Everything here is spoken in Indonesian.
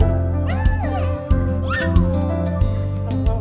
kita pake untuk rutin ya